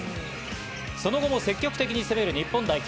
その後も積極的に攻める日本代表。